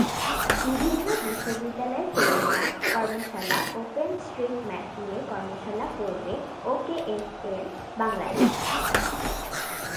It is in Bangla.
বিভিন্ন বিশ্ববিদ্যালয়ে সেমিনার, কর্মশালা, ওপেন স্ট্রিট ম্যাপ নিয়ে কর্মশালা করবে ওকেএফএন বাংলাদেশ।